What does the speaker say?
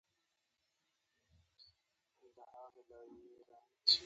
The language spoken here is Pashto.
ایا زه خولۍ په سر کولی شم؟